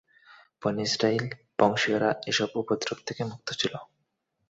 বনী ইসরাঈল বংশীয়রা এসব উপদ্রব থেকে মুক্ত ছিল।